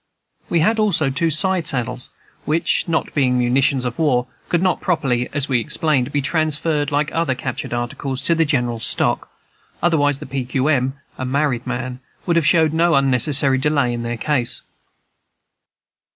We had also two side saddles, which, not being munitions of war, could not properly (as we explained) be transferred like other captured articles to the general stock; otherwise the P. Q. M. (a married man) would have showed no unnecessary delay in their case.